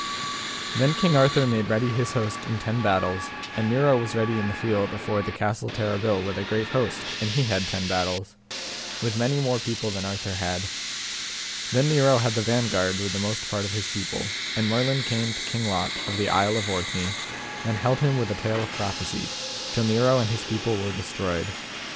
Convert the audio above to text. Then King Arthur made ready his host in ten battles and Nero was ready in the field afore the Castle Terrabil with a great host, and he had ten battles, with many more people than Arthur had. Then Nero had the vanguard with the most part of his people, and Merlin came to King Lot of the Isle of Orkney, and held him with a tale of prophecy, till Nero and his people were destroyed.